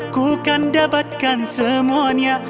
ku kan dapatkan semuanya